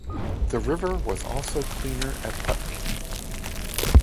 The river was also cleaner at Putney.